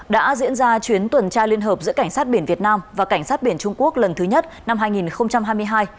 đã diễn ra chuyến tuần tra liên hợp giữa cảnh sát biển việt nam và cảnh sát biển trung quốc lần thứ nhất năm hai nghìn hai mươi hai